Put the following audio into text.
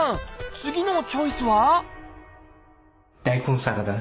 次のチョイスは？